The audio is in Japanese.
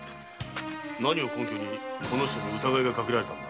何を根拠にこの人に疑いがかけられたのだ。